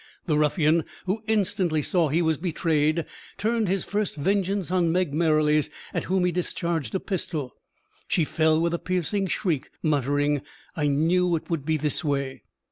The ruffian, who instantly saw he was betrayed, turned his first vengeance on Meg Merrilies, at whom he discharged a pistol. She fell, with a piercing shriek, muttering, "I knew it would be this way."